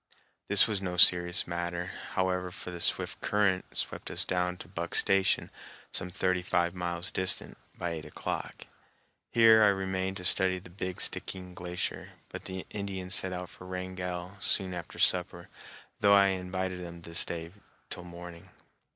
This was no serious matter, however, for the swift current swept us down to Buck Station, some thirty five miles distant, by eight o'clock. Here I remained to study the "Big Stickeen Glacier," but the Indians set out for Wrangell soon after supper, though I invited them to stay till morning.